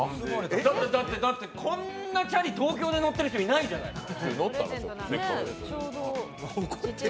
こんなチャリ、東京で乗ってる人いないじゃないですか。